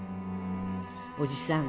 おじさん